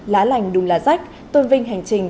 lá lành đùm lá rách tôn vinh hành trình